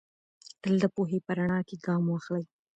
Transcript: تل د پوهې په رڼا کې ګام واخلئ.